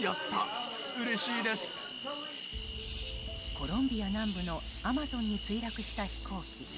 コロンビア南部のアマゾンに墜落した飛行機。